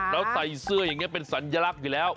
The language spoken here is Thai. แล้วใส่เสื้ออย่างนี้เป็นสัญลักษณ์อยู่แล้ว